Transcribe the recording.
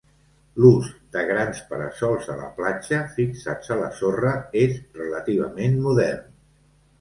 L'ús de grans para-sols a la platja, fixats a la sorra, és relativament modern.